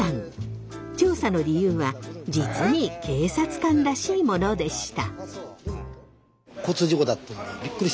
調査の理由は実に警察官らしいものでした。